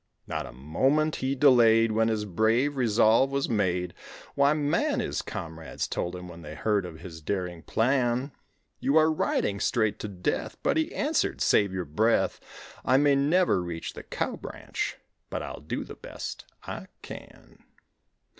Not a moment he delayed When his brave resolve was made. "Why man," his comrades told him when they heard of his daring plan, "You are riding straight to death." But he answered, "Save your breath; I may never reach the cow ranch but I'll do the best I can."